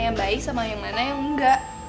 yang baik sama yang mana yang enggak